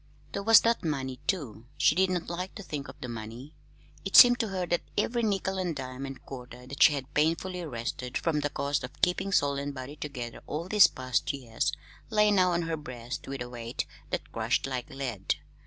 There was the money, too. She did not like to think of the money. It seemed to her that every nickel and dime and quarter that she had painfully wrested from the cost of keeping soul and body together all these past years lay now on her breast with a weight that crushed like lead.